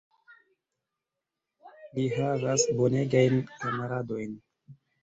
Li havas bonegajn kamaradojn.